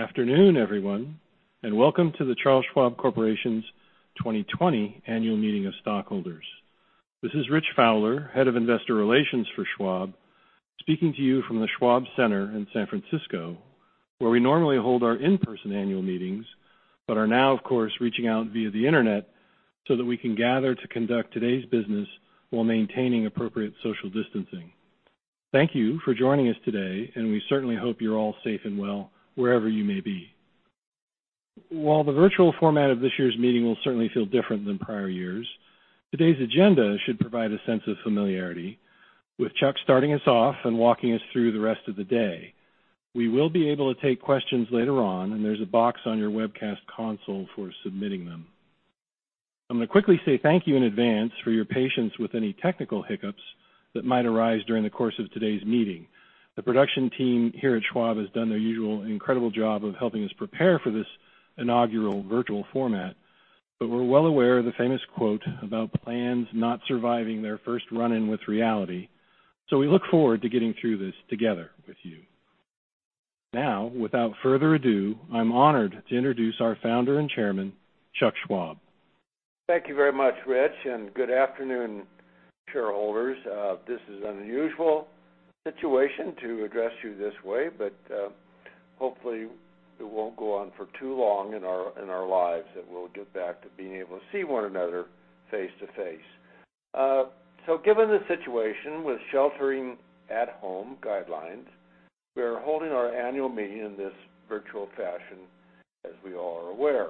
Good afternoon, everyone, and welcome to The Charles Schwab Corporation's 2020 Annual Meeting of Stockholders. This is Rich Fowler, Head of Investor Relations for Schwab, speaking to you from the Schwab Center in San Francisco, where we normally hold our in-person annual meetings, but are now, of course, reaching out via the internet so that we can gather to conduct today's business while maintaining appropriate social distancing. Thank you for joining us today, and we certainly hope you're all safe and well wherever you may be. While the virtual format of this year's meeting will certainly feel different than prior years, today's agenda should provide a sense of familiarity, with Chuck starting us off and walking us through the rest of the day. We will be able to take questions later on, and there's a box on your webcast console for submitting them. I'm going to quickly say thank you in advance for your patience with any technical hiccups that might arise during the course of today's meeting. The production team here at Schwab has done their usual incredible job of helping us prepare for this inaugural virtual format. We're well aware of the famous quote about plans not surviving their first run-in with reality. We look forward to getting through this together with you. Now, without further ado, I'm honored to introduce our Founder and Chairman, Chuck Schwab. Thank you very much, Rich. And good afternoon, shareholders. This is an unusual situation to address you this way. Hopefully it won't go on for too long in our lives. We'll get back to being able to see one another face to face. Given the situation with sheltering at home guidelines, we are holding our annual meeting in this virtual fashion, as we all are aware.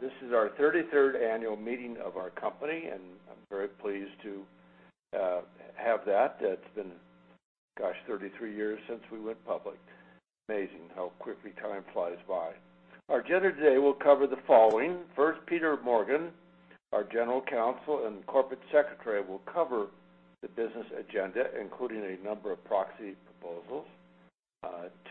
This is our 33rd Annual Meeting of our company. I'm very pleased to have that. It's been, gosh, 33 years since we went public. Amazing how quickly time flies by. Our agenda today will cover the following. First, Peter Morgan, our General Counsel and Corporate Secretary, will cover the business agenda, including a number of proxy proposals.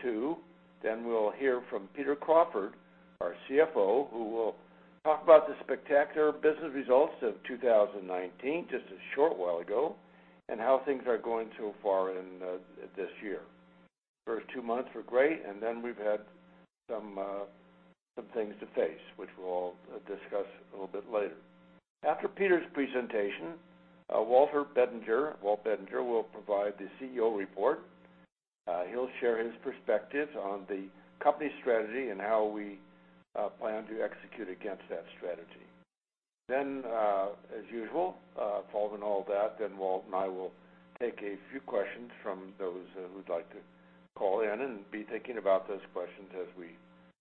Two, then we'll hear from Peter Crawford, our CFO, who will talk about the spectacular business results of 2019, just a short while ago, and how things are going so far in this year. First two months were great. We've had some things to face, which we'll discuss a little bit later. After Peter's presentation, Walter Bettinger, Walt Bettinger, will provide the CEO report. He'll share his perspective on the company strategy and how we plan to execute against that strategy. As usual, following all that, then Walt and I will take a few questions from those who'd like to call in and be thinking about those questions as we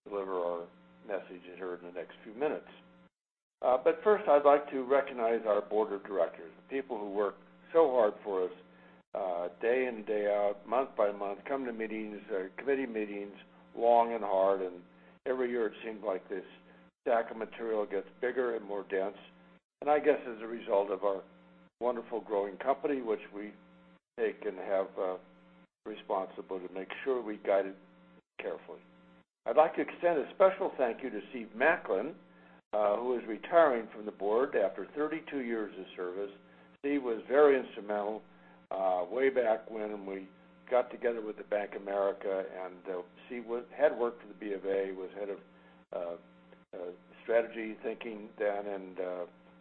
deliver our messages here in the next few minutes. First, I'd like to recognize our Board of Directors, the people who work so hard for us, day in, day out, month by month, come to meetings, committee meetings, long and hard, every year it seems like this stack of material gets bigger and more dense. I guess as a result of our wonderful growing company, which we take and have a responsibility to make sure we guide it carefully. I'd like to extend a special thank you to Steve McLin, who is retiring from the Board after 32 years of service. Steve was very instrumental, way back when we got together with the Bank of America and Steve had worked for the B of A, was head of strategy thinking then and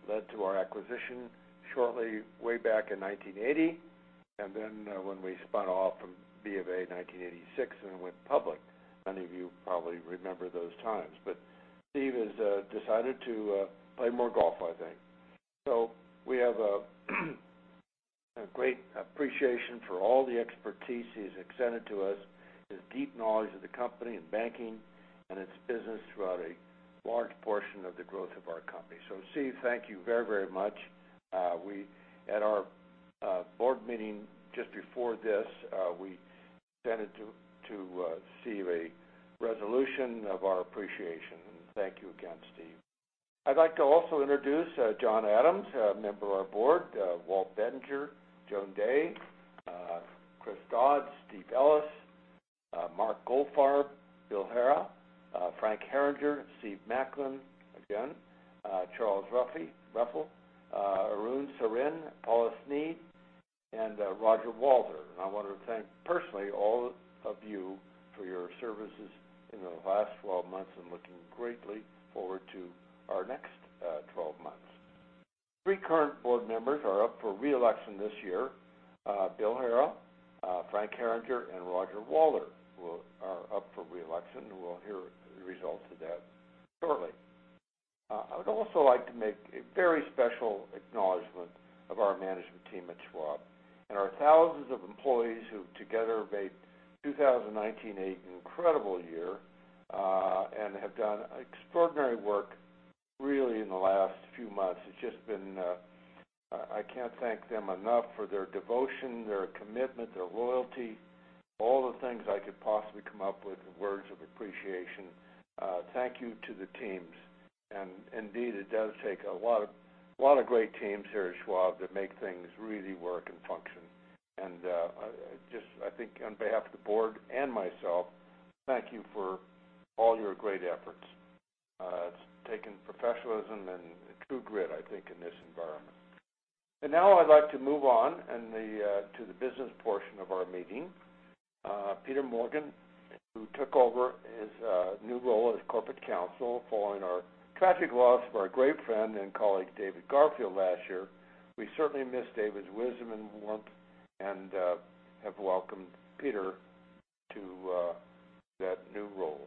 led to our acquisition shortly way back in 1980, then when we spun off from B of A in 1986 and went public. Many of you probably remember those times. Steve has decided to play more golf, I think. We have a great appreciation for all the expertise he's extended to us, his deep knowledge of the company and banking and its business throughout a large portion of the growth of our company. Steve, thank you very much. At our Board meeting just before this, we extended to Steve a resolution of our appreciation. Thank you again, Steve. I'd like to also introduce John Adams, a Member of our Board, Walt Bettinger, Joan Dea, Chris Dodds, Steve Ellis, Mark Goldfarb, Bill Haraf, Frank Herringer, Steve McLin again, Charles Ruffel, Arun Sarin, Paula Sneed, and Roger Walther. I want to thank personally all of you for your services in the last 12 months and looking greatly forward to our next 12 months. Three current Board members are up for re-election this year. Bill Haraf, Frank Herringer, and Roger Walther are up for re-election, and we'll hear the results of that shortly. I would also like to make a very special acknowledgment of our management team at Schwab and our thousands of employees who together have made 2019 an incredible year, and have done extraordinary work really in the last few months. I can't thank them enough for their devotion, their commitment, their loyalty, all the things I could possibly come up with in words of appreciation. Thank you to the teams. Indeed, it does take a lot of great teams here at Schwab that make things really work and function. Just, I think on behalf of the Board and myself, thank you for all your great efforts, taking professionalism and true grit, I think, in this environment. Now I'd like to move on to the business portion of our meeting. Peter Morgan, who took over his new role as Corporate Counsel following our tragic loss of our great friend and colleague, David Garfield, last year. We certainly miss David's wisdom and warmth and have welcomed Peter to that new role.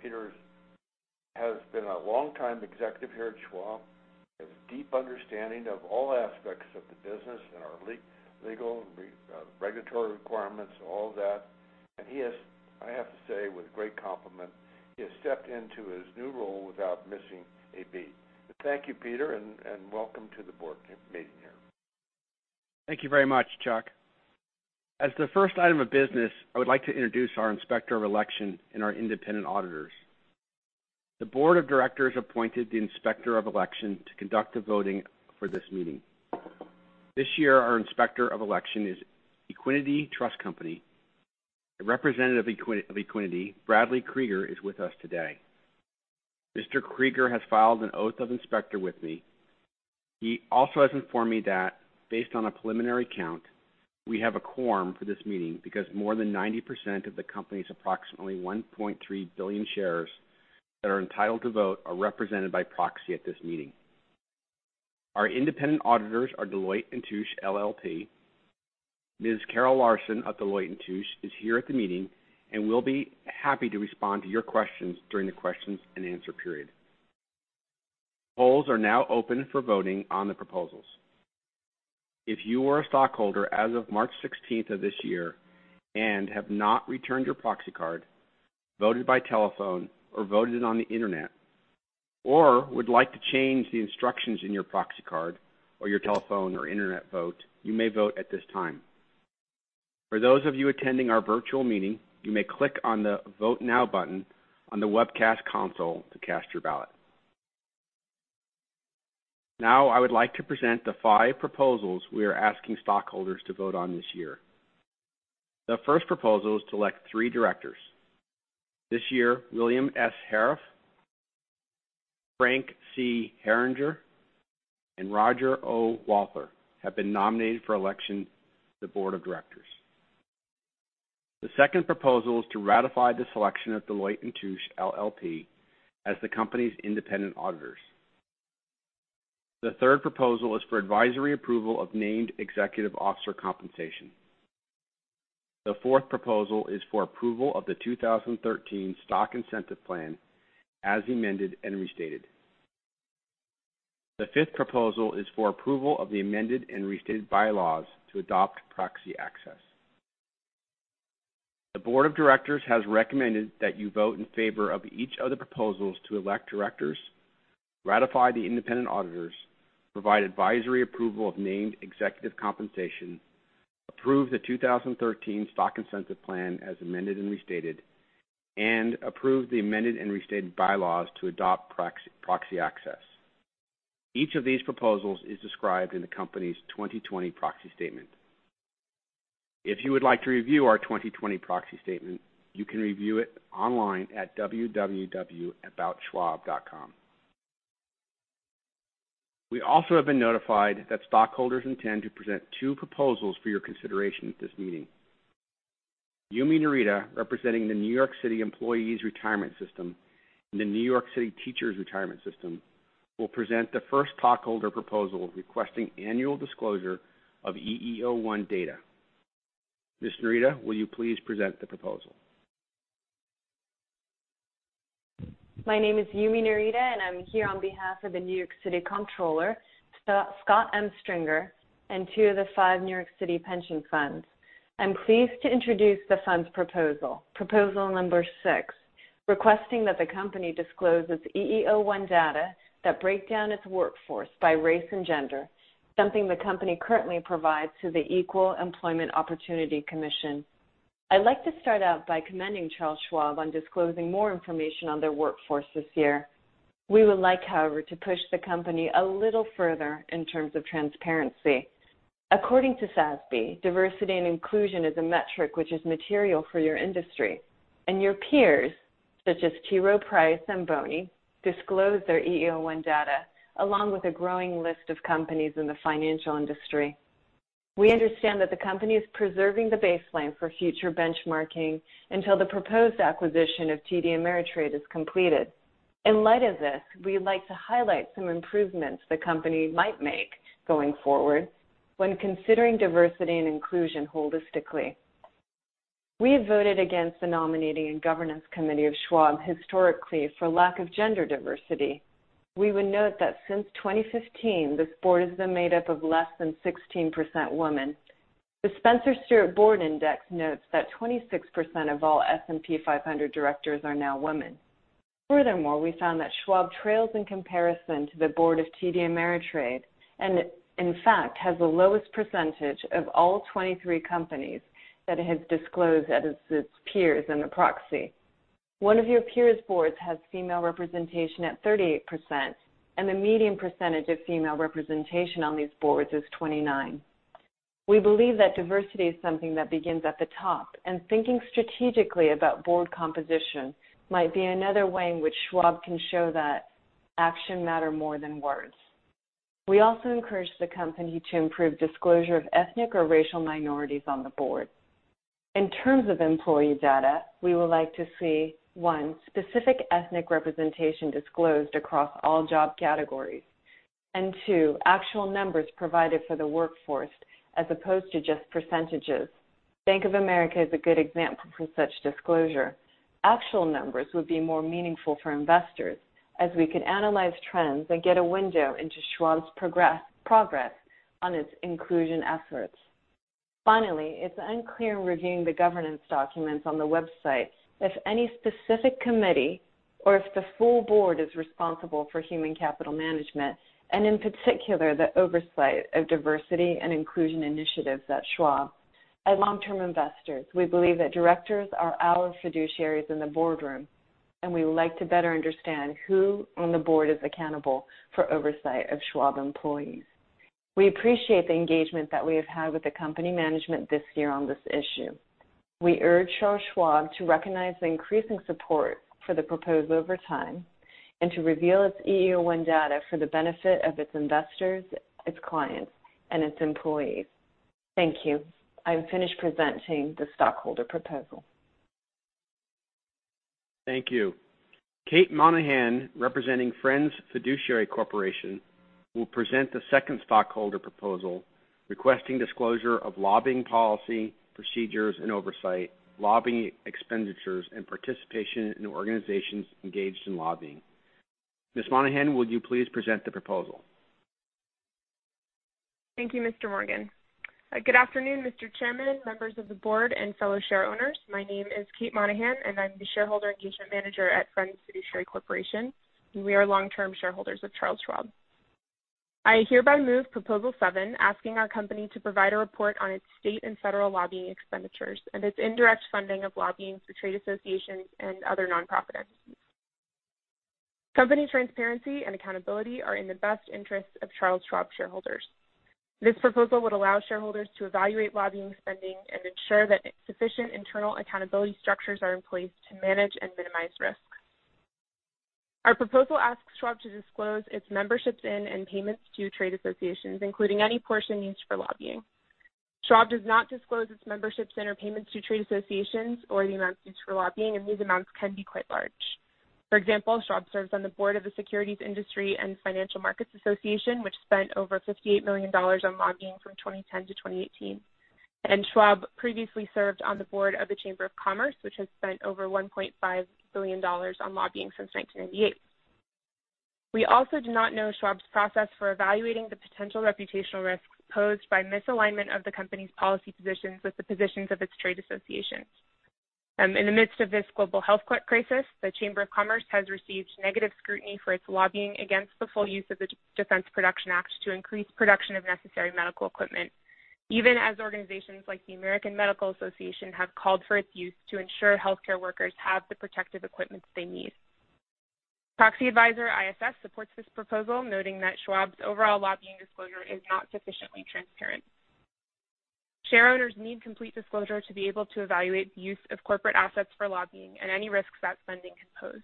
Peter has been a longtime executive here at Schwab, has a deep understanding of all aspects of the business and our legal and regulatory requirements, all of that. I have to say with great compliment, he has stepped into his new role without missing a beat. Thank you, Peter, and welcome to the Board meeting here. Thank you very much, Chuck. As the first item of business, I would like to introduce our Inspector of Election and our independent auditors. The Board of Directors appointed the Inspector of Election to conduct the voting for this meeting. This year, our Inspector of Election is Equiniti Trust Company. A representative of Equiniti, Bradley Krieger, is with us today. Mr. Krieger has filed an oath of inspector with me. He also has informed me that based on a preliminary count, we have a quorum for this meeting because more than 90% of the company's approximately 1.3 billion shares that are entitled to vote are represented by proxy at this meeting. Our independent auditors are Deloitte & Touche LLP. Ms. Carol Larson of Deloitte & Touche is here at the meeting and will be happy to respond to your questions during the questions and answer period. Polls are now open for voting on the proposals. If you are a stockholder as of March 16th of this year and have not returned your proxy card, voted by telephone, or voted on the internet, or would like to change the instructions in your proxy card or your telephone or internet vote, you may vote at this time. For those of you attending our virtual meeting, you may click on the Vote Now button on the webcast console to cast your ballot. Now, I would like to present the five proposals we are asking stockholders to vote on this year. The first proposal is to elect three directors. This year, William S. Haraf, Frank C. Herringer, and Roger O. Walther have been nominated for election to the Board of Directors. The second proposal is to ratify the selection of Deloitte & Touche LLP as the company's independent auditors. The third proposal is for advisory approval of named executive officer compensation. The fourth proposal is for approval of the 2013 Stock Incentive Plan, as amended and restated. The fifth proposal is for approval of the amended and restated bylaws to adopt proxy access. The Board of Directors has recommended that you vote in favor of each of the proposals to elect directors, ratify the independent auditors, provide advisory approval of named executive compensation, approve the 2013 Stock Incentive Plan as amended and restated, and approve the amended and restated bylaws to adopt proxy access. Each of these proposals is described in the company's 2020 proxy statement. If you would like to review our 2020 proxy statement, you can review it online at www.aboutschwab.com. We also have been notified that stockholders intend to present two proposals for your consideration at this meeting. Yumi Narita, representing the New York City Employees' Retirement System and the New York City Teachers' Retirement System, will present the first stockholder proposal requesting annual disclosure of EEO-1 data. Ms. Narita, will you please present the proposal? My name is Yumi Narita, and I'm here on behalf of the New York City Comptroller, Scott M. Stringer, and two of the five New York City pension funds. I'm pleased to introduce the fund's proposal number six, requesting that the company disclose its EEO-1 data that break down its workforce by race and gender, something the company currently provides to the Equal Employment Opportunity Commission. I'd like to start out by commending Charles Schwab on disclosing more information on their workforce this year. We would like, however, to push the company a little further in terms of transparency. According to SASB, diversity and inclusion is a metric which is material for your industry, and your peers, such as T. Rowe Price and BNY Mellon, disclose their EEO-1 data, along with a growing list of companies in the financial industry. We understand that the company is preserving the baseline for future benchmarking until the proposed acquisition of TD Ameritrade is completed. In light of this, we'd like to highlight some improvements the company might make going forward when considering diversity and inclusion holistically. We have voted against the Nominating and Corporate Governance Committee of Schwab historically for lack of gender diversity. We would note that since 2015, this Board has been made up of less than 16% women. The Spencer Stuart Board Index notes that 26% of all S&P 500 directors are now women. Furthermore, we found that Schwab trails in comparison to the Board of TD Ameritrade, and in fact has the lowest percentage of all 23 companies that it has disclosed as its peers in the proxy. One of your peers' Boards has female representation at 38%, and the median percentage of female representation on these Boards is 29%. We believe that diversity is something that begins at the top, and thinking strategically about Board composition might be another way in which Schwab can show that action matter more than words. We also encourage the company to improve disclosure of ethnic or racial minorities on the Board. In terms of employee data, we would like to see, one, specific ethnic representation disclosed across all job categories, and two, actual numbers provided for the workforce as opposed to just percentages. Bank of America is a good example for such disclosure. Actual numbers would be more meaningful for investors, as we could analyze trends and get a window into Schwab's progress on its inclusion efforts. Finally, it's unclear in reviewing the governance documents on the website if any specific committee or if the full Board is responsible for human capital management and, in particular, the oversight of diversity and inclusion initiatives at Schwab. As long-term investors, we believe that directors are our fiduciaries in the boardroom, and we would like to better understand who on the Board is accountable for oversight of Schwab employees. We appreciate the engagement that we have had with the company management this year on this issue. We urge Charles Schwab to recognize the increasing support for the proposal over time and to reveal its EEO-1 data for the benefit of its investors, its clients, and its employees. Thank you. I'm finished presenting the stockholder proposal. Thank you. Kate Monahan, representing Friends Fiduciary Corporation, will present the second stockholder proposal requesting disclosure of lobbying policy, procedures and oversight, lobbying expenditures, and participation in organizations engaged in lobbying. Ms. Monahan, would you please present the proposal? Thank you, Mr. Morgan. Good afternoon, Mr. Chairman, members of the Board, and fellow share owners. My name is Kate Monahan, and I'm the Shareholder Engagement Manager at Friends Fiduciary Corporation, and we are long-term shareholders of Charles Schwab. I hereby move Proposal seven, asking our company to provide a report on its state and federal lobbying expenditures and its indirect funding of lobbying for trade associations and other nonprofit entities. Company transparency and accountability are in the best interest of Charles Schwab shareholders. This proposal would allow shareholders to evaluate lobbying spending and ensure that sufficient internal accountability structures are in place to manage and minimize risks. Our proposal asks Schwab to disclose its memberships in and payments to trade associations, including any portion used for lobbying. Schwab does not disclose its memberships in or payments to trade associations or the amounts used for lobbying, and these amounts can be quite large. For example, Schwab serves on the Board of the Securities Industry and Financial Markets Association, which spent over $58 million on lobbying from 2010-2018, and Schwab previously served on the Board of the Chamber of Commerce, which has spent over $1.5 billion on lobbying since 1998. We also do not know Schwab's process for evaluating the potential reputational risks posed by misalignment of the company's policy positions with the positions of its trade associations. In the midst of this global health crisis, the Chamber of Commerce has received negative scrutiny for its lobbying against the full use of the Defense Production Act to increase production of necessary medical equipment, even as organizations like the American Medical Association have called for its use to ensure healthcare workers have the protective equipment they need. Proxy advisor ISS supports this proposal, noting that Schwab's overall lobbying disclosure is not sufficiently transparent. Share owners need complete disclosure to be able to evaluate the use of corporate assets for lobbying and any risks that spending can pose.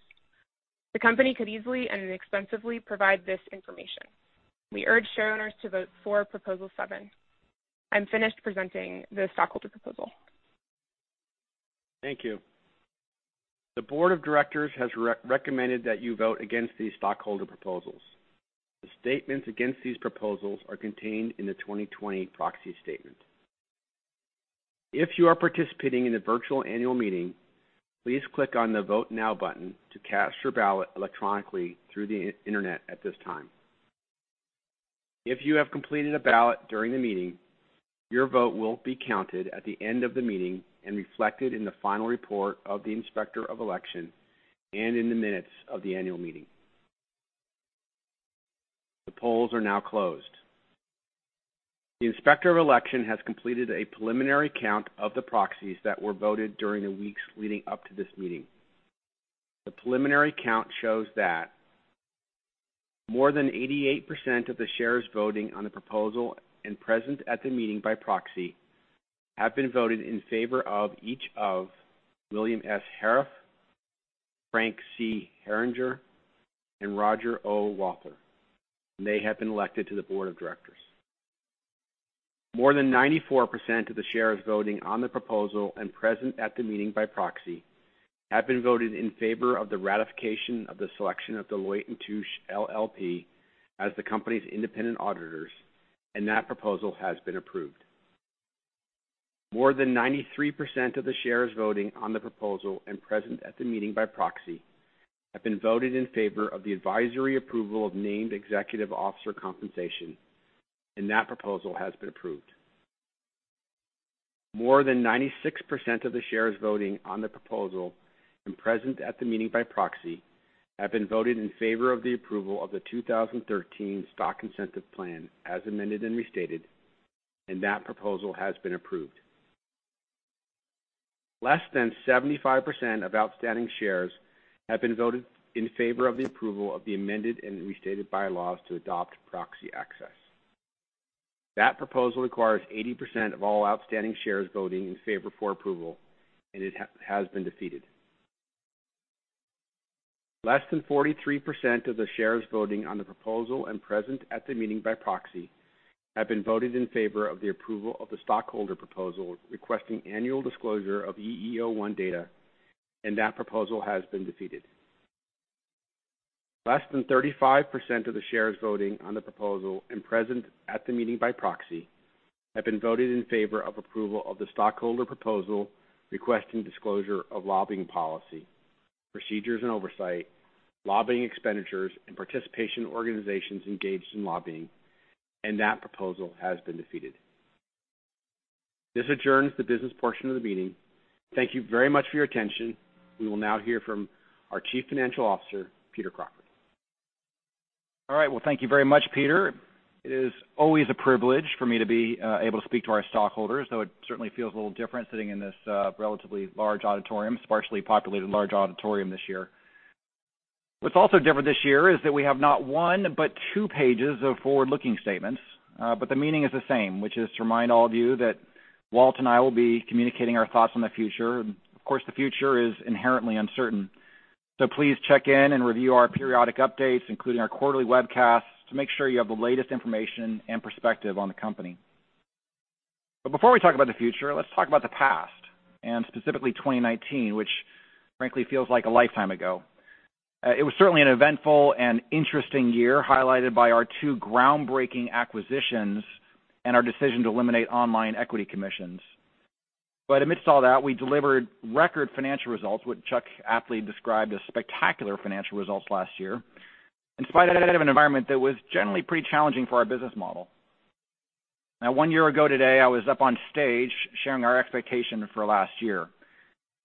The company could easily and inexpensively provide this information. We urge share owners to vote for Proposal seven. I'm finished presenting the stockholder proposal. Thank you. The Board of Directors has recommended that you vote against these stockholder proposals. The statements against these proposals are contained in the 2020 proxy statement. If you are participating in the virtual annual meeting, please click on the Vote Now button to cast your ballot electronically through the internet at this time. If you have completed a ballot during the meeting, your vote will be counted at the end of the meeting and reflected in the final report of the Inspector of Election and in the minutes of the annual meeting. The polls are now closed. The Inspector of Election has completed a preliminary count of the proxies that were voted during the weeks leading up to this meeting. The preliminary count shows that more than 88% of the shares voting on the proposal and present at the meeting by proxy have been voted in favor of each of William S. Haraf, Frank C. Herringer, and Roger O. Walther, and they have been elected to the Board of Directors. More than 94% of the shares voting on the proposal and present at the meeting by proxy have been voted in favor of the ratification of the selection of Deloitte & Touche LLP as the company's independent auditors, and that proposal has been approved. More than 93% of the shares voting on the proposal and present at the meeting by proxy have been voted in favor of the advisory approval of named executive officer compensation, and that proposal has been approved. More than 96% of the shares voting on the proposal and present at the meeting by proxy have been voted in favor of the approval of the 2013 Stock Incentive Plan as amended and restated, and that proposal has been approved. Less than 75% of outstanding shares have been voted in favor of the approval of the amended and restated bylaws to adopt proxy access. That proposal requires 80% of all outstanding shares voting in favor for approval. It has been defeated. Less than 43% of the shares voting on the proposal and present at the meeting by proxy have been voted in favor of the approval of the stockholder proposal requesting annual disclosure of EEO-1 data. That proposal has been defeated. Less than 35% of the shares voting on the proposal and present at the meeting by proxy have been voted in favor of approval of the stockholder proposal requesting disclosure of lobbying policy, procedures and oversight, lobbying expenditures, and participation in organizations engaged in lobbying, and that proposal has been defeated. This adjourns the business portion of the meeting. Thank you very much for your attention. We will now hear from our Chief Financial Officer, Peter Crawford. All right. Well, thank you very much, Peter. It is always a privilege for me to be able to speak to our stockholders, though it certainly feels a little different sitting in this relatively large auditorium, sparsely populated large auditorium this year. What's also different this year is that we have not one, but two pages of forward-looking statements. The meaning is the same, which is to remind all of you that Walt and I will be communicating our thoughts on the future. Of course, the future is inherently uncertain. Please check in and review our periodic updates, including our quarterly webcasts, to make sure you have the latest information and perspective on the company. Before we talk about the future, let's talk about the past, and specifically 2019, which frankly feels like a lifetime ago. It was certainly an eventful and interesting year, highlighted by our two groundbreaking acquisitions and our decision to eliminate online equity commissions. Amidst all that, we delivered record financial results, what Chuck aptly described as spectacular financial results last year, in spite of an environment that was generally pretty challenging for our business model. One year ago today, I was up on stage sharing our expectation for last year,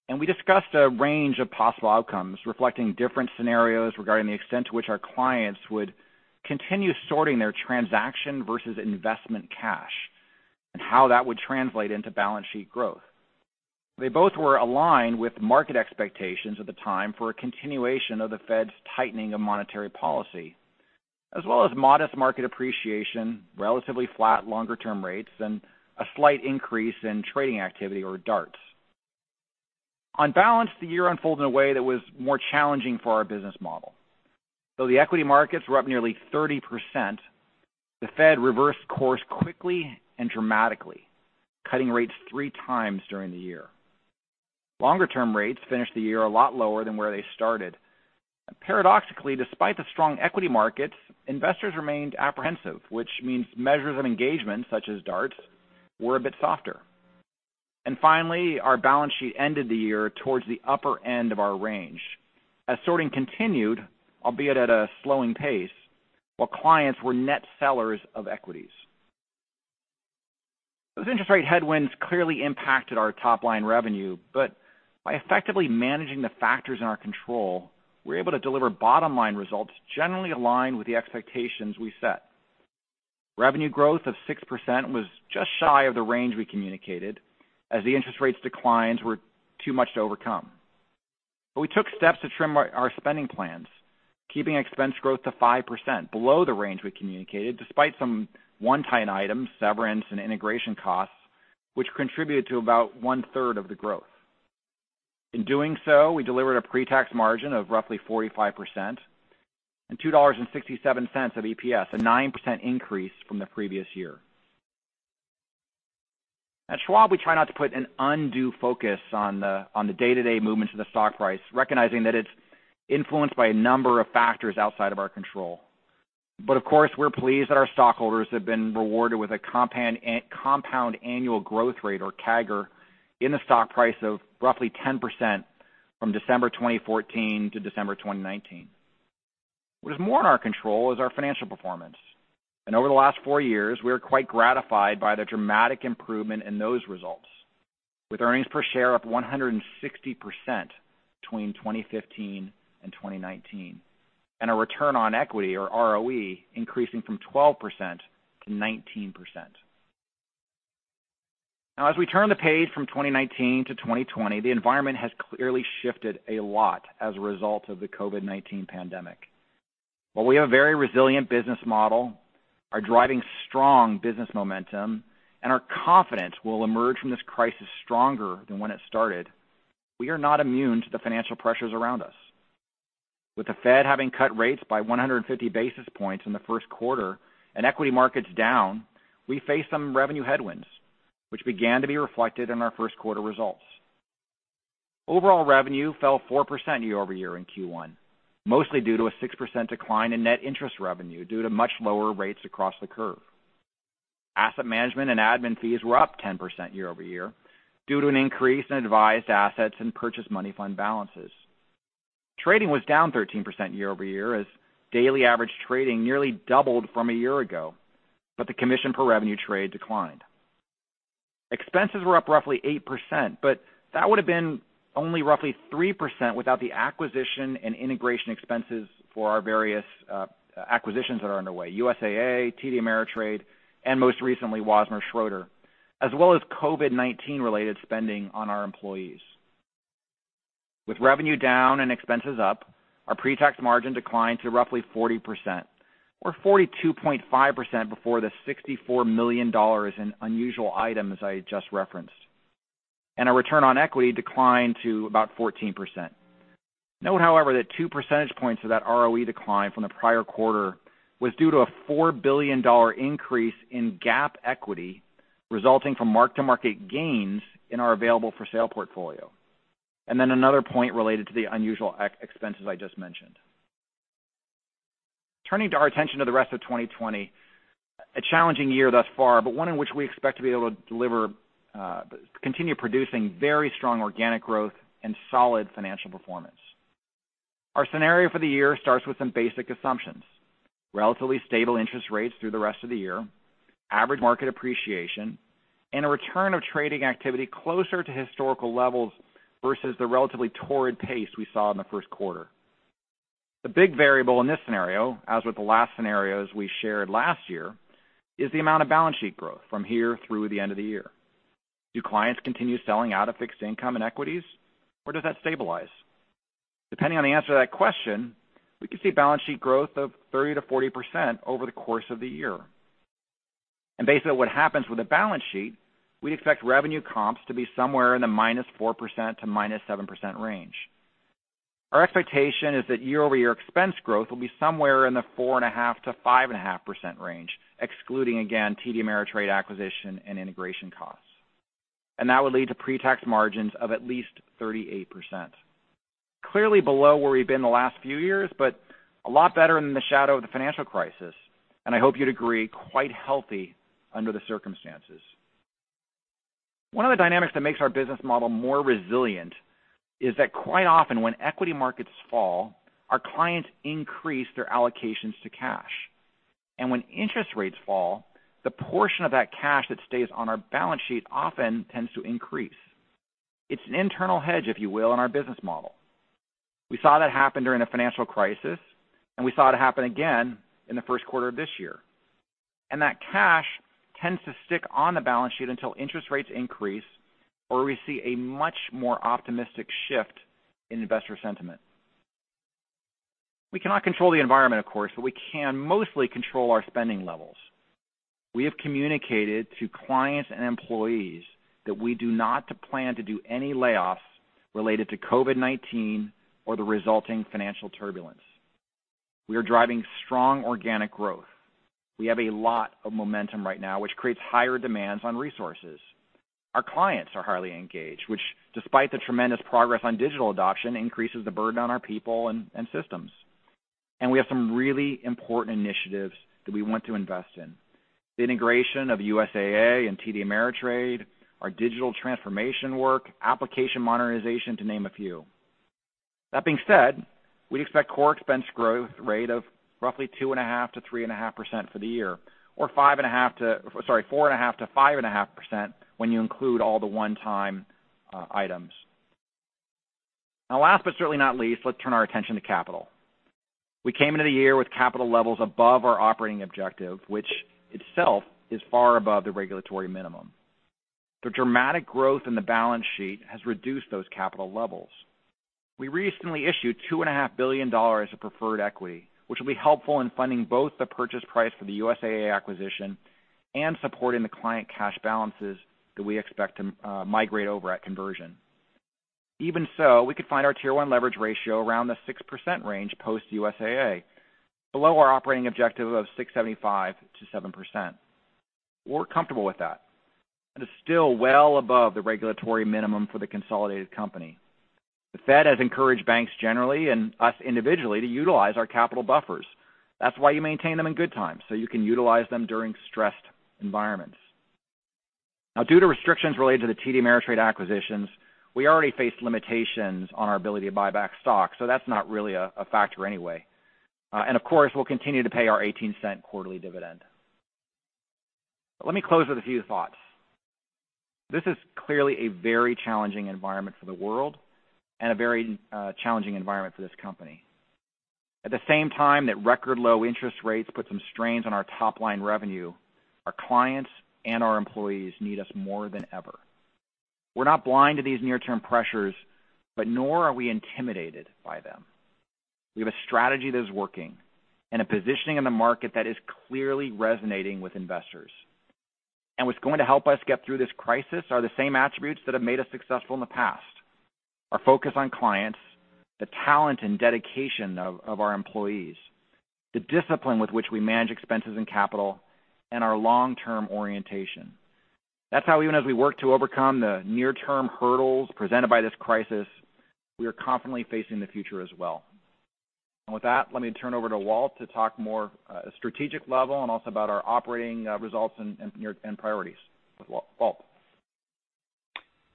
and we discussed a range of possible outcomes reflecting different scenarios regarding the extent to which our clients would continue sorting their transaction versus investment cash and how that would translate into balance sheet growth. They both were aligned with market expectations at the time for a continuation of the Fed's tightening of monetary policy, as well as modest market appreciation, relatively flat longer-term rates, and a slight increase in trading activity or DARTs. On balance, the year unfolded in a way that was more challenging for our business model. Though the equity markets were up nearly 30%, the Fed reversed course quickly and dramatically, cutting rates three times during the year. Longer-term rates finished the year a lot lower than where they started. Paradoxically, despite the strong equity markets, investors remained apprehensive, which means measures of engagement such as DART were a bit softer. Finally, our balance sheet ended the year towards the upper end of our range as sorting continued, albeit at a slowing pace, while clients were net sellers of equities. Those interest rate headwinds clearly impacted our top-line revenue, but by effectively managing the factors in our control, we were able to deliver bottom-line results generally aligned with the expectations we set. Revenue growth of 6% was just shy of the range we communicated, as the interest rate declines were too much to overcome. We took steps to trim our spending plans, keeping expense growth to 5% below the range we communicated, despite some one-time items, severance and integration costs, which contributed to about 1/3 of the growth. In doing so, we delivered a pre-tax margin of roughly 45% and $2.67 of EPS, a 9% increase from the previous year. At Schwab, we try not to put an undue focus on the day-to-day movements of the stock price, recognizing that it's influenced by a number of factors outside of our control. Of course, we're pleased that our stockholders have been rewarded with a compound annual growth rate, or CAGR, in the stock price of roughly 10% from December 2014 to December 2019. What is more in our control is our financial performance. Over the last four years, we are quite gratified by the dramatic improvement in those results, with earnings per share up 160% between 2015 and 2019, and a return on equity or ROE increasing from 12% to 19%. As we turn the page from 2019 to 2020, the environment has clearly shifted a lot as a result of the COVID-19 pandemic. While we have a very resilient business model, are driving strong business momentum, and are confident we'll emerge from this crisis stronger than when it started, we are not immune to the financial pressures around us. With the Fed having cut rates by 150 basis points in the first quarter and equity markets down, we face some revenue headwinds, which began to be reflected in our first quarter results. Overall revenue fell 4% year-over-year in Q1, mostly due to a 6% decline in net interest revenue due to much lower rates across the curve. Asset management and admin fees were up 10% year-over-year due to an increase in advised assets and purchase money fund balances. Trading was down 13% year-over-year as daily average trading nearly doubled from a year ago, but the commission per revenue trade declined. Expenses were up roughly 8%, but that would've been only roughly 3% without the acquisition and integration expenses for our various acquisitions that are underway, USAA, TD Ameritrade, and most recently, Wasmer Schroeder, as well as COVID-19 related spending on our employees. With revenue down and expenses up, our pre-tax margin declined to roughly 40%, or 42.5% before the $64 million in unusual items I just referenced. Our return on equity declined to about 14%. Note, however, that two percentage points of that ROE decline from the prior quarter was due to a $4 billion increase in GAAP equity resulting from mark-to-market gains in our available for sale portfolio. Another point related to the unusual expenses I just mentioned. Turning our attention to the rest of 2020, a challenging year thus far, but one in which we expect to be able to continue producing very strong organic growth and solid financial performance. Our scenario for the year starts with some basic assumptions. Relatively stable interest rates through the rest of the year, average market appreciation, and a return of trading activity closer to historical levels versus the relatively torrid pace we saw in the first quarter. The big variable in this scenario, as with the last scenarios we shared last year, is the amount of balance sheet growth from here through the end of the year. Do clients continue selling out of fixed income and equities, or does that stabilize? Depending on the answer to that question, we could see balance sheet growth of 30%-40% over the course of the year. Based on what happens with the balance sheet, we'd expect revenue comps to be somewhere in the -4% to -7% range. Our expectation is that year-over-year expense growth will be somewhere in the 4.5%-5.5% range, excluding, again, TD Ameritrade acquisition and integration costs. That would lead to pre-tax margins of at least 38%. Clearly below where we've been the last few years, but a lot better in the shadow of the financial crisis. I hope you'd agree, quite healthy under the circumstances. One of the dynamics that makes our business model more resilient is that quite often when equity markets fall, our clients increase their allocations to cash. When interest rates fall, the portion of that cash that stays on our balance sheet often tends to increase. It's an internal hedge, if you will, on our business model. We saw that happen during the financial crisis, and we saw it happen again in the first quarter of this year. That cash tends to stick on the balance sheet until interest rates increase, or we see a much more optimistic shift in investor sentiment. We cannot control the environment, of course, but we can mostly control our spending levels. We have communicated to clients and employees that we do not plan to do any layoffs related to COVID-19 or the resulting financial turbulence. We are driving strong organic growth. We have a lot of momentum right now, which creates higher demands on resources. Our clients are highly engaged, which despite the tremendous progress on digital adoption, increases the burden on our people and systems. We have some really important initiatives that we want to invest in. The integration of USAA and TD Ameritrade, our digital transformation work, application modernization, to name a few. That being said, we expect core expense growth rate of roughly 2.5%-3.5% for the year, or 4.5%-5.5% when you include all the one-time items. Last, but certainly not least, let's turn our attention to capital. We came into the year with capital levels above our operating objective, which itself is far above the regulatory minimum. The dramatic growth in the balance sheet has reduced those capital levels. We recently issued $2.5 billion of preferred equity, which will be helpful in funding both the purchase price for the USAA acquisition and supporting the client cash balances that we expect to migrate over at conversion. Even so, we could find our Tier 1 leverage ratio around the 6% range post USAA, below our operating objective of 6.75%-7%. We're comfortable with that. It is still well above the regulatory minimum for the consolidated company. The Fed has encouraged banks generally, and us individually, to utilize our capital buffers. That's why you maintain them in good times, so you can utilize them during stressed environments. Due to restrictions related to the TD Ameritrade acquisitions, we already faced limitations on our ability to buy back stock, so that's not really a factor anyway. Of course, we'll continue to pay our $0.18 quarterly dividend. Let me close with a few thoughts. This is clearly a very challenging environment for the world and a very challenging environment for this company. At the same time that record low interest rates put some strains on our top line revenue, our clients and our employees need us more than ever. We're not blind to these near-term pressures, but nor are we intimidated by them. We have a strategy that is working and a positioning in the market that is clearly resonating with investors. What's going to help us get through this crisis are the same attributes that have made us successful in the past. Our focus on clients, the talent and dedication of our employees, the discipline with which we manage expenses and capital, and our long-term orientation. That's how even as we work to overcome the near-term hurdles presented by this crisis, we are confidently facing the future as well. With that, let me turn over to Walt to talk more strategic level and also about our operating results and priorities. Walt?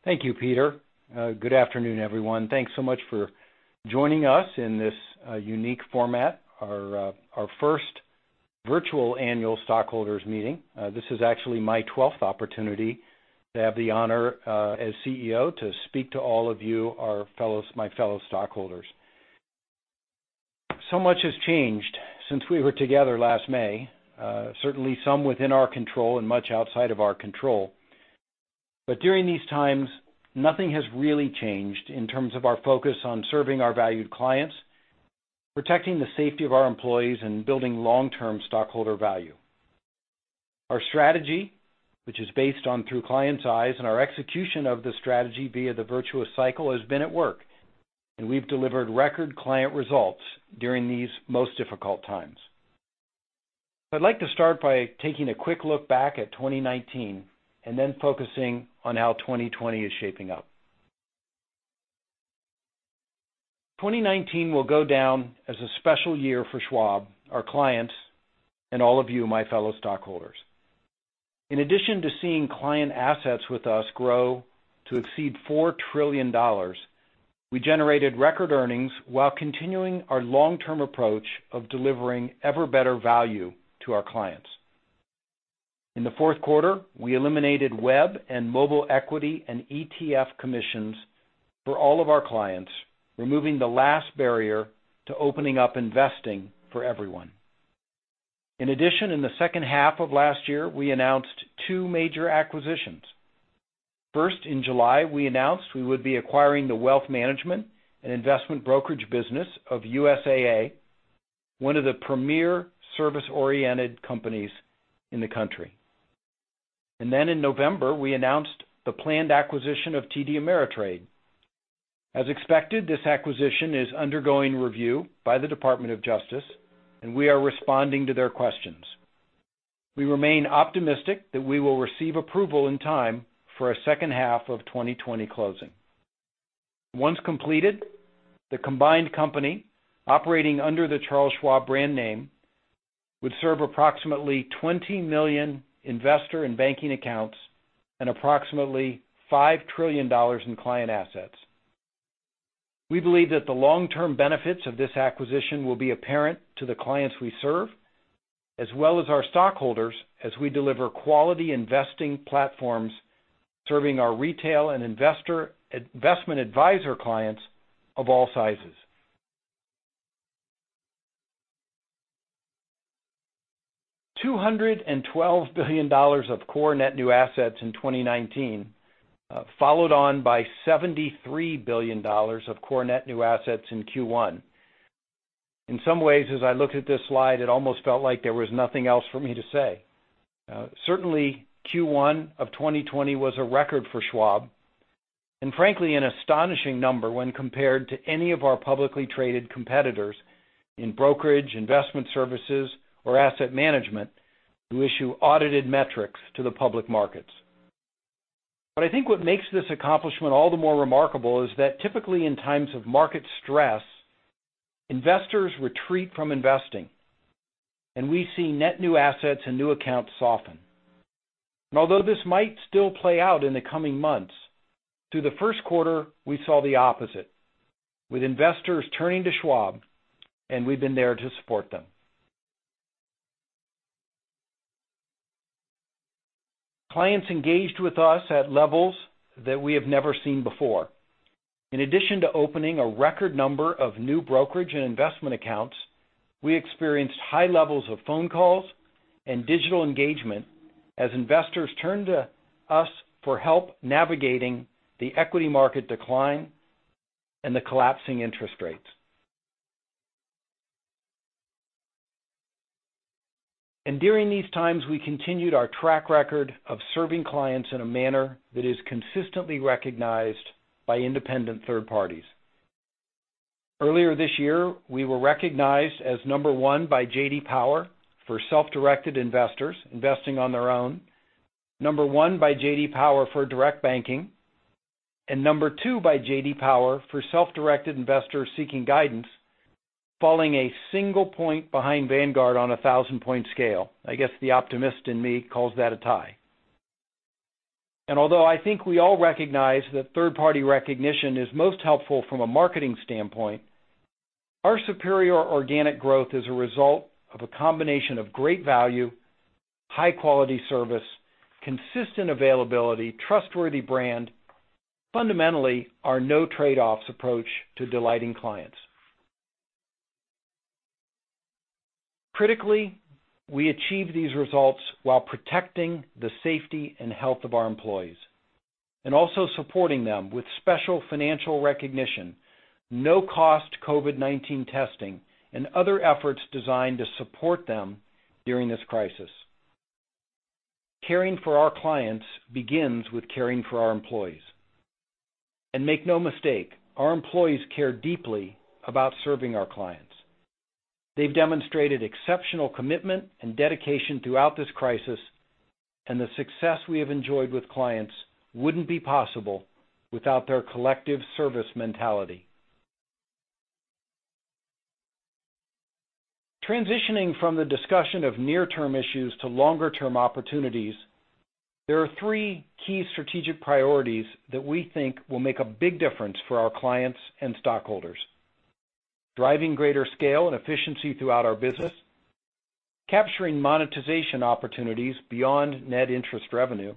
Thank you, Peter. Good afternoon, everyone. Thanks so much for joining us in this unique format, our first Virtual Annual Stockholders Meeting. This is actually my 12th opportunity to have the honor as CEO to speak to all of you, my fellow stockholders. Much has changed since we were together last May. Certainly some within our control and much outside of our control. During these times, nothing has really changed in terms of our focus on serving our valued clients, protecting the safety of our employees, and building long-term stockholder value. Our strategy, which is based on Through Clients' Eyes and our execution of the strategy via the Virtuous Cycle, has been at work, and we've delivered record client results during these most difficult times. I'd like to start by taking a quick look back at 2019 and then focusing on how 2020 is shaping up. 2019 will go down as a special year for Schwab, our clients, and all of you, my fellow stockholders. In addition to seeing client assets with us grow to exceed $4 trillion, we generated record earnings while continuing our long-term approach of delivering ever better value to our clients. In the fourth quarter, we eliminated web and mobile equity and ETF commissions for all of our clients, removing the last barrier to opening up investing for everyone. In addition, in the second half of last year, we announced two major acquisitions. First, in July, we announced we would be acquiring the wealth management and investment brokerage business of USAA, one of the premier service-oriented companies in the country. In November, we announced the planned acquisition of TD Ameritrade. As expected, this acquisition is undergoing review by the Department of Justice, and we are responding to their questions. We remain optimistic that we will receive approval in time for a second half of 2020 closing. Once completed, the combined company, operating under the Charles Schwab brand name, would serve approximately 20 million investor and banking accounts and approximately $5 trillion in client assets. We believe that the long-term benefits of this acquisition will be apparent to the clients we serve, as well as our stockholders, as we deliver quality investing platforms serving our retail and investment advisor clients of all sizes. $212 billion of core net new assets in 2019, followed on by $73 billion of core net new assets in Q1. In some ways, as I looked at this slide, it almost felt like there was nothing else for me to say. Certainly, Q1 of 2020 was a record for Schwab, and frankly, an astonishing number when compared to any of our publicly traded competitors in brokerage, investment services, or asset management who issue audited metrics to the public markets. I think what makes this accomplishment all the more remarkable is that typically in times of market stress, investors retreat from investing, and we see net new assets and new accounts soften. Although this might still play out in the coming months, through the first quarter, we saw the opposite, with investors turning to Schwab, and we've been there to support them. Clients engaged with us at levels that we have never seen before. In addition to opening a record number of new brokerage and investment accounts, we experienced high levels of phone calls and digital engagement as investors turned to us for help navigating the equity market decline and the collapsing interest rates. During these times, we continued our track record of serving clients in a manner that is consistently recognized by independent third parties. Earlier this year, we were recognized as number one by J.D. Power for self-directed investors investing on their own, number one by J.D. Power for direct banking, and number two by J.D. Power for self-directed investors seeking guidance, falling 1 point behind Vanguard on a 1,000-point scale. I guess the optimist in me calls that a tie. Although I think we all recognize that third-party recognition is most helpful from a marketing standpoint, our superior organic growth is a result of a combination of great value, high-quality service, consistent availability, trustworthy brand, fundamentally, our no trade-offs approach to delighting clients. Critically, we achieved these results while protecting the safety and health of our employees and also supporting them with special financial recognition, no-cost COVID-19 testing, and other efforts designed to support them during this crisis. Caring for our clients begins with caring for our employees. Make no mistake, our employees care deeply about serving our clients. They've demonstrated exceptional commitment and dedication throughout this crisis, and the success we have enjoyed with clients wouldn't be possible without their collective service mentality. Transitioning from the discussion of near-term issues to longer-term opportunities. There are three key strategic priorities that we think will make a big difference for our clients and stockholders. Driving greater scale and efficiency throughout our business, capturing monetization opportunities beyond net interest revenue,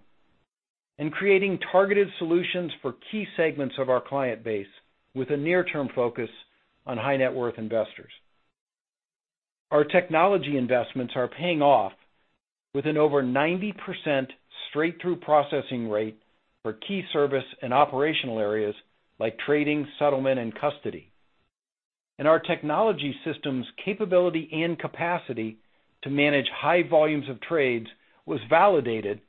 and creating targeted solutions for key segments of our client base, with a near-term focus on high net worth investors. Our technology investments are paying off with an over 90% straight-through processing rate for key service and operational areas like trading, settlement, and custody. Our technology systems' capability and capacity to manage high volumes of trades was validated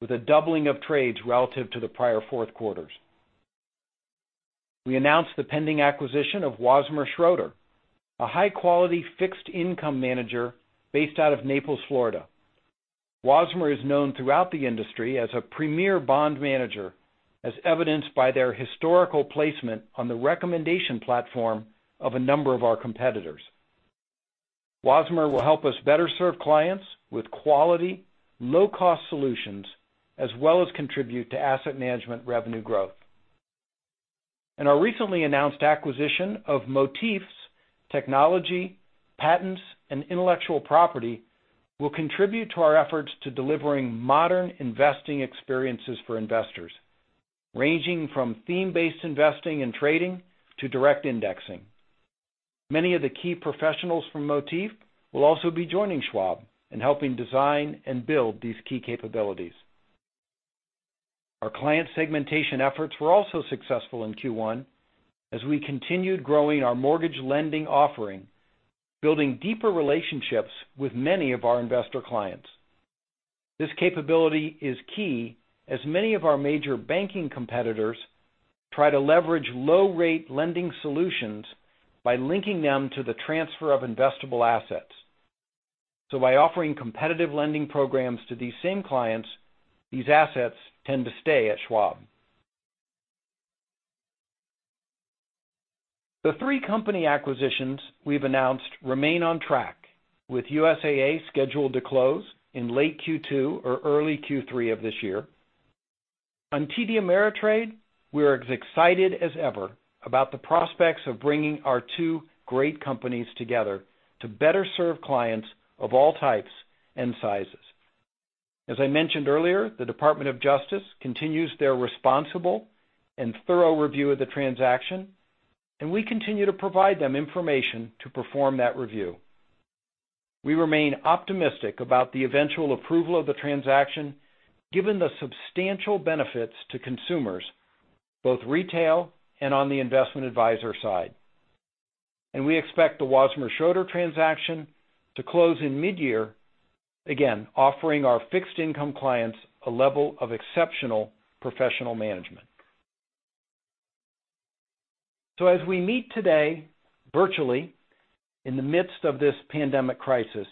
with a doubling of trades relative to the prior fourth quarters. We announced the pending acquisition of Wasmer Schroeder, a high-quality fixed income manager based out of Naples, Florida. Wasmer is known throughout the industry as a premier bond manager, as evidenced by their historical placement on the recommendation platform of a number of our competitors. Wasmer will help us better serve clients with quality, low-cost solutions, as well as contribute to asset management revenue growth. Our recently announced acquisition of Motif's technology, patents, and intellectual property will contribute to our efforts to delivering modern investing experiences for investors, ranging from theme-based investing and trading to direct indexing. Many of the key professionals from Motif will also be joining Schwab and helping design and build these key capabilities. Our client segmentation efforts were also successful in Q1 as we continued growing our mortgage lending offering, building deeper relationships with many of our investor clients. This capability is key, as many of our major banking competitors try to leverage low rate lending solutions by linking them to the transfer of investable assets. By offering competitive lending programs to these same clients, these assets tend to stay at Schwab. The three company acquisitions we've announced remain on track, with USAA scheduled to close in late Q2 or early Q3 of this year. On TD Ameritrade, we are as excited as ever about the prospects of bringing our two great companies together to better serve clients of all types and sizes. As I mentioned earlier, the Department of Justice continues their responsible and thorough review of the transaction, and we continue to provide them information to perform that review. We remain optimistic about the eventual approval of the transaction, given the substantial benefits to consumers, both retail and on the investment advisor side. We expect the Wasmer Schroeder transaction to close in mid-year, again, offering our fixed income clients a level of exceptional professional management. As we meet today, virtually, in the midst of this pandemic crisis,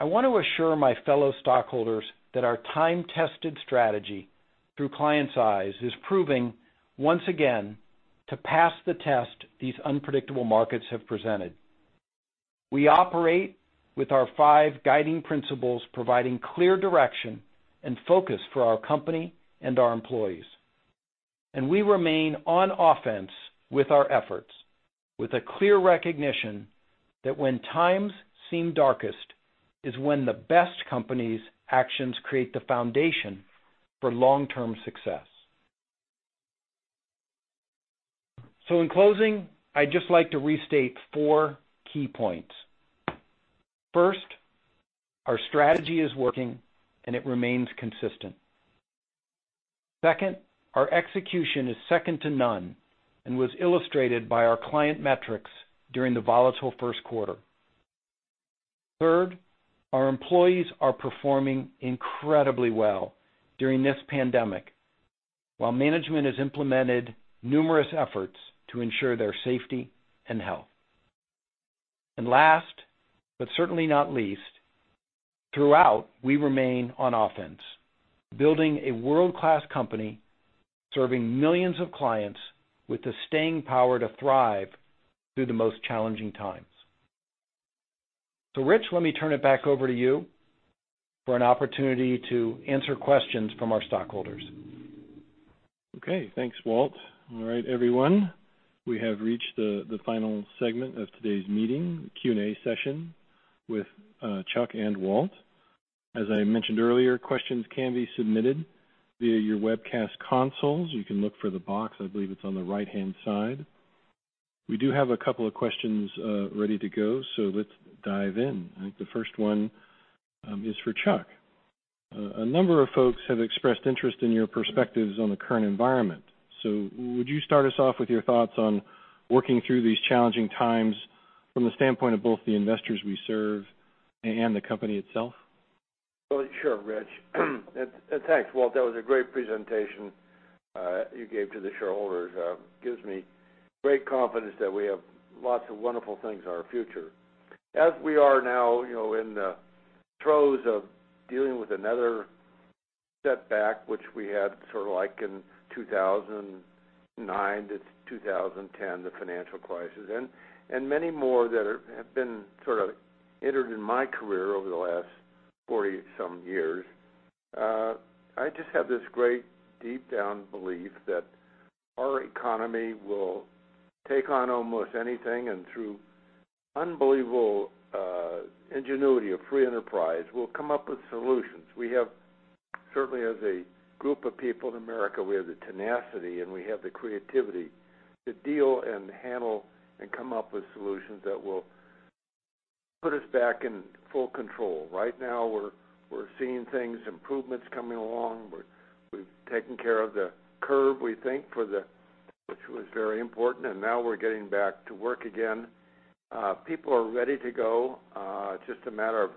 I want to assure my fellow stockholders that our time-tested strategy through clients' eyes is proving, once again, to pass the test these unpredictable markets have presented. We operate with our five guiding principles, providing clear direction and focus for our company and our employees. We remain on offense with our efforts, with a clear recognition that when times seem darkest is when the best companies' actions create the foundation for long-term success. In closing, I'd just like to restate four key points. First, our strategy is working and it remains consistent. Second, our execution is second to none and was illustrated by our client metrics during the volatile first quarter. Third, our employees are performing incredibly well during this pandemic, while management has implemented numerous efforts to ensure their safety and health. Last, but certainly not least, throughout, we remain on offense, building a world-class company, serving millions of clients with the staying power to thrive through the most challenging times. Rich, let me turn it back over to you for an opportunity to answer questions from our stockholders. Okay. Thanks, Walt. All right, everyone. We have reached the final segment of today's meeting, the Q&A session with Chuck and Walt. As I mentioned earlier, questions can be submitted via your webcast consoles. You can look for the box. I believe it's on the right-hand side. We do have a couple of questions ready to go. Let's dive in. I think the first one is for Chuck. A number of folks have expressed interest in your perspectives on the current environment. Would you start us off with your thoughts on working through these challenging times from the standpoint of both the investors we serve and the company itself? Well, sure, Rich. Thanks, Walt, that was a great presentation you gave to the shareholders. Gives me great confidence that we have lots of wonderful things in our future. As we are now in the throes of dealing with another setback, which we had sort of like in 2009 to 2010, the financial crisis, and many more that have been sort of entered in my career over the last 40-some years. I just have this great deep-down belief that our economy will take on almost anything, and through unbelievable ingenuity of free enterprise will come up with solutions. We have, certainly as a group of people in America, we have the tenacity and we have the creativity to deal and handle and come up with solutions that will put us back in full control. Right now, we're seeing things, improvements coming along. We've taken care of the curve, we think, which was very important, and now we're getting back to work again. People are ready to go. It's just a matter of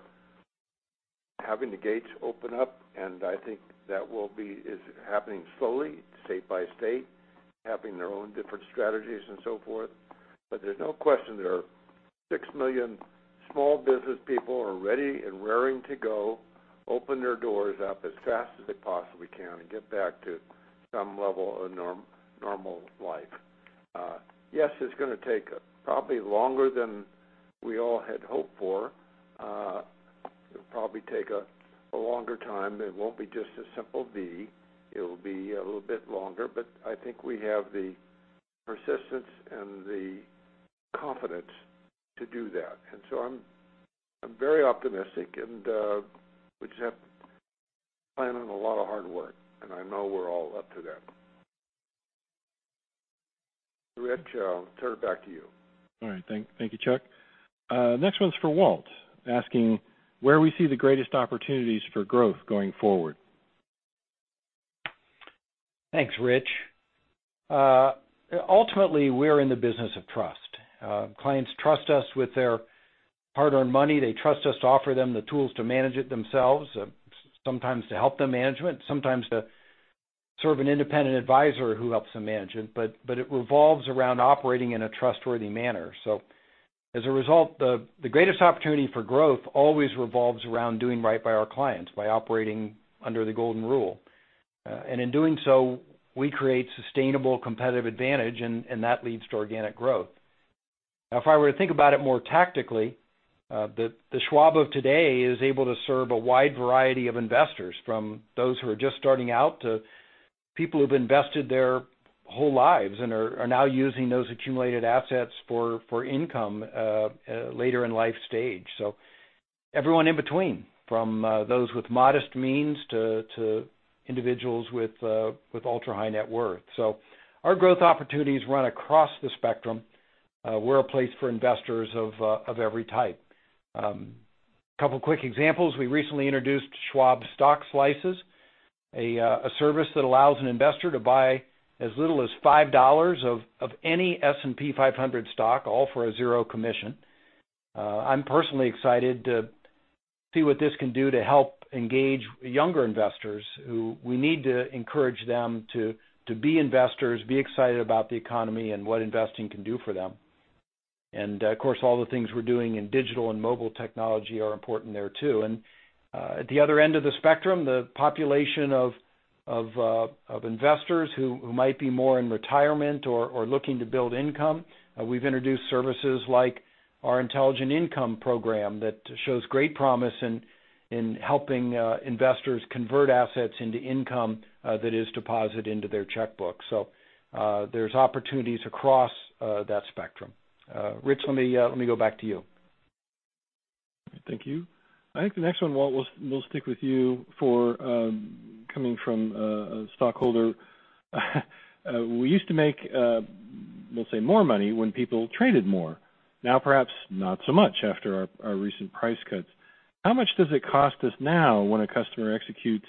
having the gates open up, and I think that is happening slowly, state by state, having their own different strategies and so forth. There's no question, there are 6 million small business people are ready and raring to go open their doors up as fast as they possibly can and get back to some level of normal life. Yes, it's going to take probably longer than we all had hoped for. It'll probably take a longer time. It won't be just a simple V. It'll be a little bit longer. I think we have the persistence and the confidence to do that. I'm very optimistic, and we just have to plan on a lot of hard work, and I know we're all up to that. Rich, I'll turn it back to you. All right. Thank you, Chuck. Next one's for Walt, asking where we see the greatest opportunities for growth going forward. Thanks, Rich. Ultimately, we're in the business of trust. Clients trust us with their hard-earned money. They trust us to offer them the tools to manage it themselves, sometimes to help them manage it, sometimes to serve an independent advisor who helps them manage it, but it revolves around operating in a trustworthy manner. As a result, the greatest opportunity for growth always revolves around doing right by our clients, by operating under the golden rule. In doing so, we create sustainable competitive advantage, and that leads to organic growth. Now, if I were to think about it more tactically, the Schwab of today is able to serve a wide variety of investors, from those who are just starting out to people who've invested their whole lives and are now using those accumulated assets for income later in life stage. Everyone in between, from those with modest means to individuals with ultra-high net worth. Our growth opportunities run across the spectrum. We're a place for investors of every type. A couple quick examples. We recently introduced Schwab Stock Slices, a service that allows an investor to buy as little as $5 of any S&P 500 stock, all for a zero commission. I'm personally excited to see what this can do to help engage younger investors who we need to encourage them to be investors, be excited about the economy and what investing can do for them. Of course, all the things we're doing in digital and mobile technology are important there too. At the other end of the spectrum, the population of investors who might be more in retirement or looking to build income, we've introduced services like our Schwab Intelligent Income program that shows great promise in helping investors convert assets into income that is deposited into their checkbook. There's opportunities across that spectrum. Rich, let me go back to you. Thank you. I think the next one, Walt, we'll stick with you for coming from a stockholder. We used to make, we'll say, more money when people traded more. Perhaps not so much after our recent price cuts. How much does it cost us now when a customer executes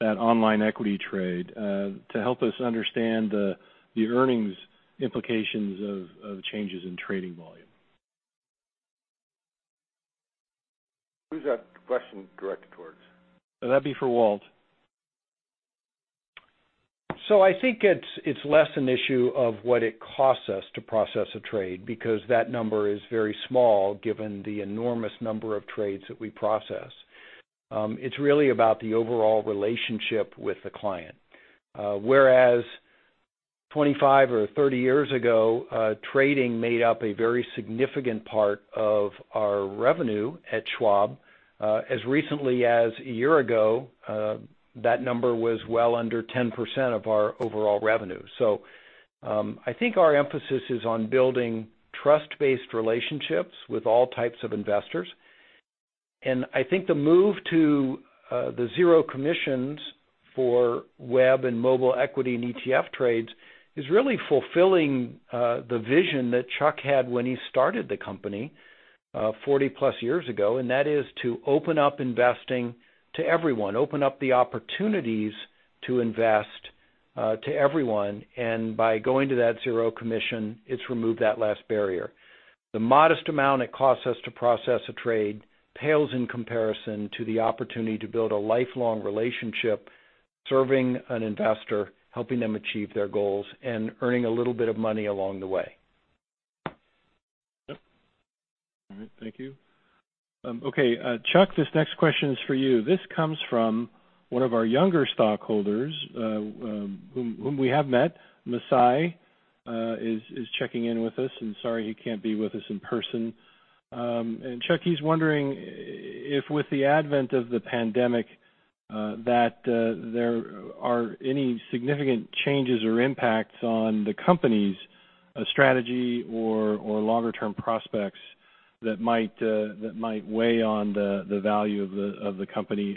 that online equity trade to help us understand the earnings implications of changes in trading volume? Who's that question directed towards? That'd be for Walt. I think it's less an issue of what it costs us to process a trade because that number is very small given the enormous number of trades that we process. It's really about the overall relationship with the client. Whereas 25 or 30 years ago, trading made up a very significant part of our revenue at Schwab. As recently as a year ago, that number was well under 10% of our overall revenue. I think our emphasis is on building trust-based relationships with all types of investors. I think the move to the zero commissions for web and mobile equity and ETF trades is really fulfilling the vision that Chuck had when he started the company 40+ years ago, and that is to open up investing to everyone, open up the opportunities to invest to everyone. By going to that zero commission, it's removed that last barrier. The modest amount it costs us to process a trade pales in comparison to the opportunity to build a lifelong relationship serving an investor, helping them achieve their goals, and earning a little bit of money along the way. Yep. All right. Thank you. Okay, Chuck, this next question is for you. This comes from one of our younger stockholders, whom we have met. Masai is checking in with us. Sorry he can't be with us in person. Chuck, he's wondering if with the advent of the pandemic, that there are any significant changes or impacts on the company's strategy or longer-term prospects that might weigh on the value of the company,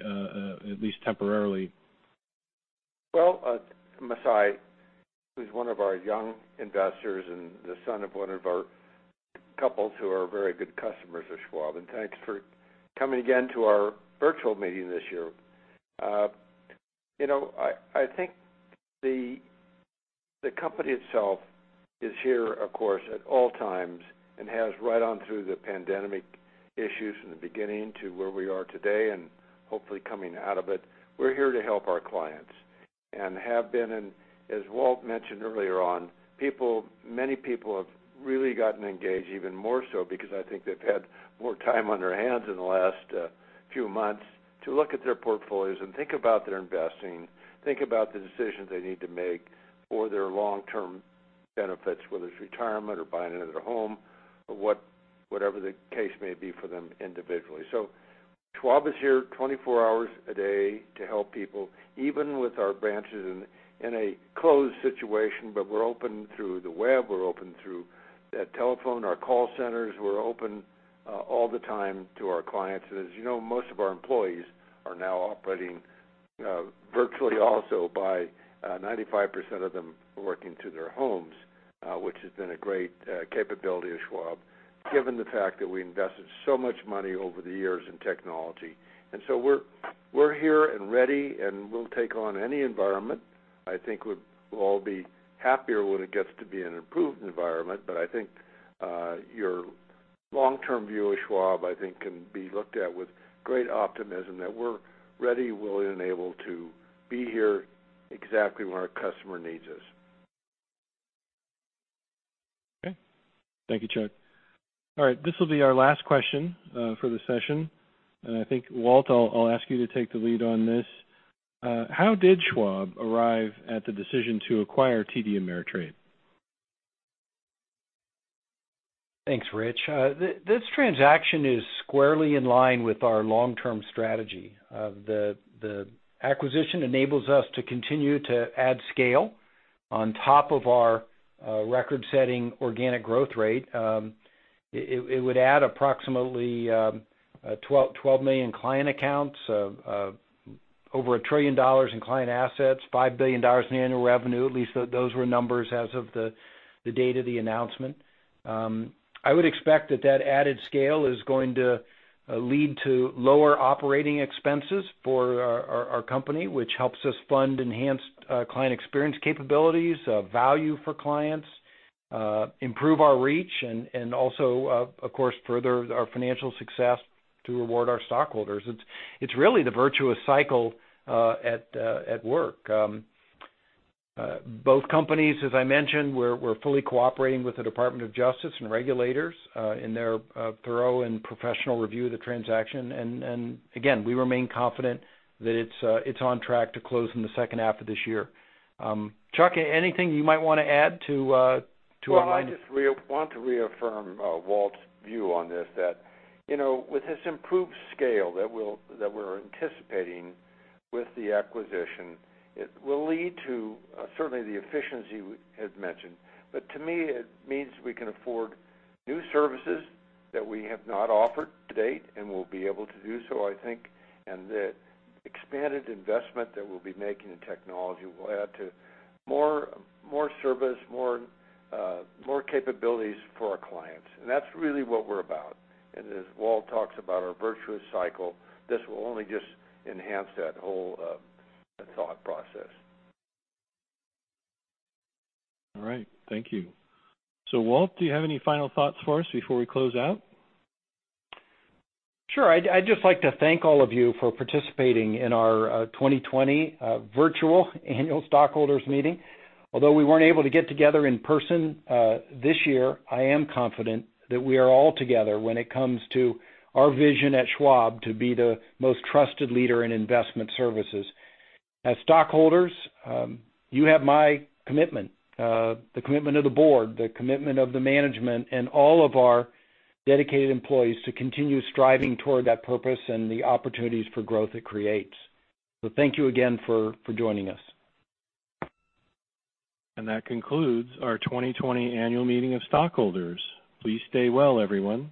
at least temporarily. Well, Masai, who's one of our young investors and the son of one of our couples who are very good customers of Schwab, and thanks for coming again to our virtual meeting this year. I think the company itself is here, of course, at all times and has right on through the pandemic issues from the beginning to where we are today, and hopefully coming out of it. We're here to help our clients and have been, and as Walt mentioned earlier on, many people have really gotten engaged even more so because I think they've had more time on their hands in the last few months to look at their portfolios and think about their investing, think about the decisions they need to make for their long-term benefits, whether it's retirement or buying another home or whatever the case may be for them individually. Schwab is here 24 hours a day to help people, even with our branches in a closed situation, but we're open through the web, we're open through the telephone, our call centers, we're open all the time to our clients. As you know, most of our employees are now operating virtually also by 95% of them working to their homes, which has been a great capability of Schwab, given the fact that we invested so much money over the years in technology. We're here and ready, and we'll take on any environment. I think we'll all be happier when it gets to be an improved environment. I think your long-term view of Schwab, I think, can be looked at with great optimism that we're ready, willing, and able to be here exactly when our customer needs us. Okay. Thank you, Chuck. All right. This will be our last question for the session. I think, Walt, I'll ask you to take the lead on this. How did Schwab arrive at the decision to acquire TD Ameritrade? Thanks, Rich. This transaction is squarely in line with our long-term strategy. The acquisition enables us to continue to add scale on top of our record-setting organic growth rate. It would add approximately 12 million client accounts, over $1 trillion in client assets, $5 billion in annual revenue. At least those were numbers as of the date of the announcement. I would expect that that added scale is going to lead to lower operating expenses for our company, which helps us fund enhanced client experience capabilities, value for clients, improve our reach, and also, of course, further our financial success to reward our stockholders. It's really the virtuous cycle at work. Both companies, as I mentioned, we're fully cooperating with the Department of Justice and regulators, in their thorough and professional review of the transaction. Again, we remain confident that it's on track to close in the second half of this year. Chuck, anything you might want to add to what I...? Well, I just want to reaffirm Walt's view on this, that with this improved scale that we're anticipating with the acquisition, it will lead to, certainly the efficiency you had mentioned. To me, it means we can afford new services that we have not offered to date and will be able to do so, I think, and that expanded investment that we'll be making in technology will add to more service, more capabilities for our clients. That's really what we're about. As Walt talks about our virtuous cycle, this will only just enhance that whole thought process. All right. Thank you. Walt, do you have any final thoughts for us before we close out? Sure. I'd just like to thank all of you for participating in our 2020 virtual Annual Stockholders Meeting. Although we weren't able to get together in person this year, I am confident that we are all together when it comes to our vision at Schwab to be the most trusted leader in investment services. As stockholders, you have my commitment, the commitment of the Board, the commitment of the management, and all of our dedicated employees to continue striving toward that purpose and the opportunities for growth it creates. Thank you again for joining us. That concludes our 2020 Annual Meeting of Stockholders. Please stay well, everyone.